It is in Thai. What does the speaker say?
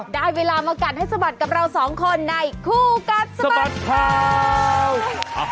ได้เวลามากัดให้สะบัดกับเราสองคนในคู่กัดสะบัดข่าว